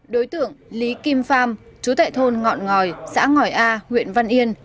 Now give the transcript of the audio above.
đối tượng lý kim pham chú tệ thôn ngọt ngòi xã ngòi a huyện văn yên